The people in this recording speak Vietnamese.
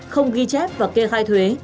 không ghi chép và kê khai thuế